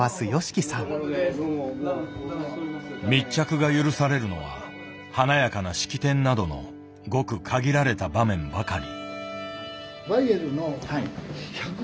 密着が許されるのは華やかな式典などのごく限られた場面ばかり。